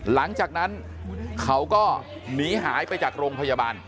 หลังจากนั้นเขาก็หนีหายไปจากโรงพยาบาล